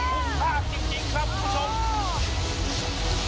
คุ้มภาพจริงครับคุณผู้ชม